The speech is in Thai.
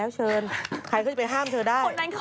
จบแล้วค่ะ